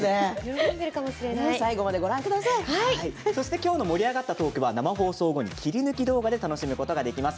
今日の盛り上がったトークは切り抜き動画で楽しむことができます。